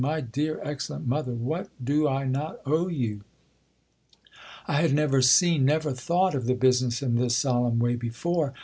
My dear, excellent mother, v/hat do I not owe you! I had never seen, never thought of the business in this solemn way before.